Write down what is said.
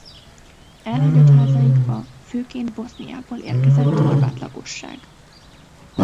Elhagyott házaikba főként Boszniából érkezett horvát lakosság.